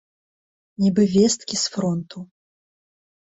Нібы весткі з фронту!